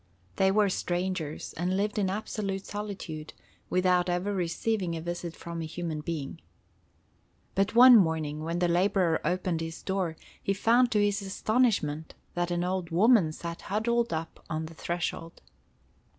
They were strangers, and lived in absolute solitude without ever receiving a visit from a human being. But one morning when the laborer opened his door, he found, to his astonishment, that an old woman sat huddled up on the threshold.